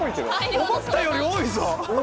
思ったより多いぞ。